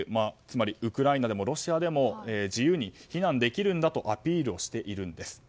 つまりウクライナでもロシアでも自由に避難できるんだとアピールしているんです。